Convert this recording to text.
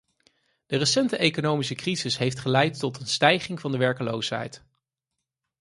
De recente economische crisis heeft geleid tot een stijging van de werkloosheid.